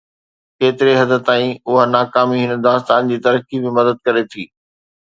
ڪيتري حد تائين اها ناڪامي هن داستان جي ترقي ۾ مدد ڪري ٿي؟